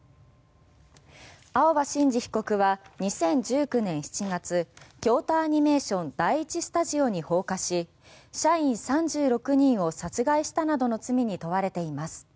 青葉真司被告は２０１９年７月京都アニメーション第１スタジオに放火し社員３６人を殺害したなどの罪に問われています。